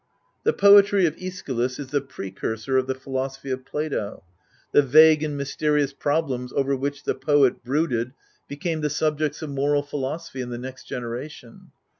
The poetry of iEschylus is the precursor of the philosophy of Plato : the vague and mysterious problems over which the poet brooded became the subjects of moral philosophy in the next generation.